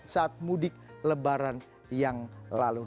saat mudik lebaran yang lalu